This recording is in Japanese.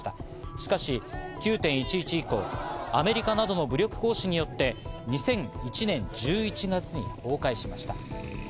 しかし９．１１以降アメリカなどの武力行使によって２００１年１１月に崩壊しました。